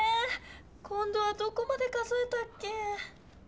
今どはどこまで数えたっけ？